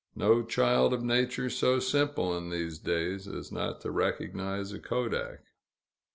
No child of nature so simple, in these days, as not to recognize a kodak.